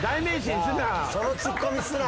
そのツッコミすな。